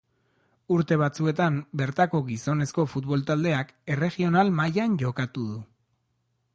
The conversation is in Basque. Urte batzuetan bertako gizonezko futbol taldeak erregional mailan jokatu du.